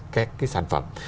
các cái sản phẩm